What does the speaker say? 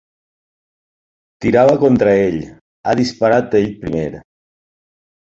Tirava contra ell. Ha disparat ell primer.